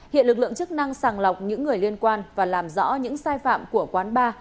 hiện lực lượng chức năng sàng lọc những người liên quan và làm rõ những sai phạm của quán bar